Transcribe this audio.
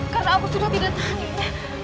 karena aku sudah tidak tahan ini